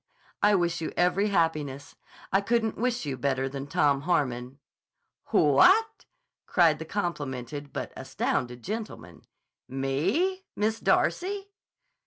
"I wish you every happiness. I couldn't wish you better than Tom Harmon." "What!" cried that complimented but astounded gentleman. "Me? Miss Darcy?"